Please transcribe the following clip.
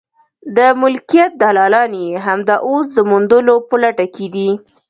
د ملکیت دلالان یې همدا اوس د موندلو په لټه کې دي.